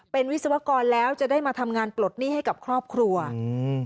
เป็นวิศวกรแล้วจะได้มาทำงานปลดหนี้ให้กับครอบครัวอืม